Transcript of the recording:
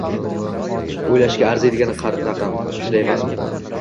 "O'ylashga arziydigan raqam, shunday emasmi?